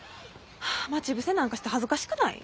待ち伏せなんかして恥ずかしくない？